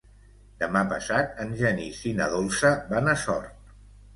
Demà passat en Genís i na Dolça van a Sort.